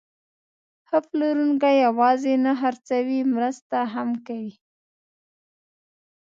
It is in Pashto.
ښه پلورونکی یوازې نه خرڅوي، مرسته هم کوي.